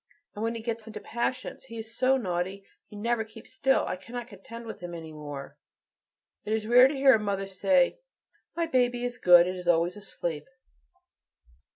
and when he gets into passions? He is so naughty, he never keeps still; I cannot contend with him any more." It is rare to hear a mother say, "My baby is good it is always asleep."